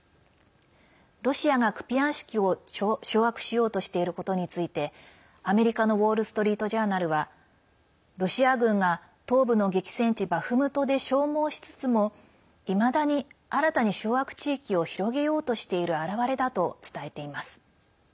ロシアが、クピヤンシクを掌握しようとしていることについてアメリカの、ウォール・ストリート・ジャーナルはロシア軍が、東部の激戦地バフムトで消耗しつつもいまだに、新たに掌握地域を広げようとしている表れだと伝えています。